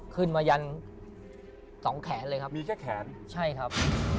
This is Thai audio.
ยันสองแขนเลยครับมีแค่แขนใช่ครับ